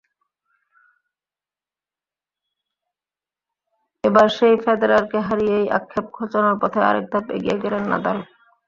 এবার সেই ফেদেরারকে হারিয়েই আক্ষেপ ঘোচানোর পথে আরেক ধাপ এগিয়ে গেলেন নাদাল।